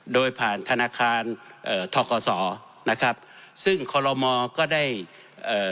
โดยผ่านธนาคารเอ่อทกศนะครับซึ่งคอลโลมอก็ได้เอ่อ